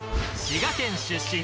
滋賀県出身